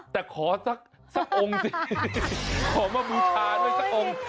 แต่ขอสักองค์สิขอมาบูชาด้วยสักองค์